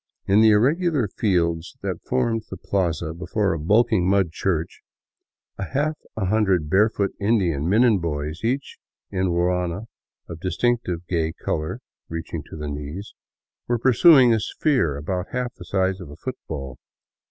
In the irregular field that formed the plaza before a bulking mud church, a half hundred barefoot Indian men and boys, each in a ruana of dis tinctive gay color reaching to the knees, were pursuing a sphere about half the size of a football.